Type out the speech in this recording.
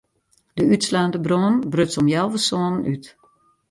De útslaande brân bruts om healwei sânen út.